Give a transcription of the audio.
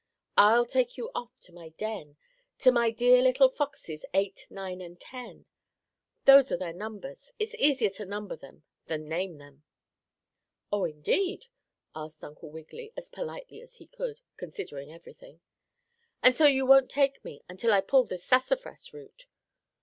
I'll take you off to my den, to my dear little foxes Eight, Nine and Ten. Those are their numbers. It's easier to number them than name them." "Oh, indeed?" asked Uncle Wiggily, as politely as he could, considering everything. "And so you won't take me until I pull this sassafras root?"